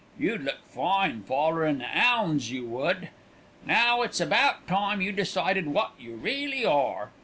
You'd look fine follerin' the 'ounds, you would. Now, it's about time you decided wot you really are.